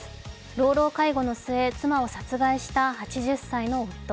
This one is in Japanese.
老老介護の末、妻を殺害した８０歳の夫。